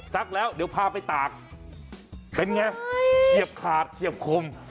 แล้วเดี๋ยวพาไปตากเป็นไงเหยียบขาดเฉียบคม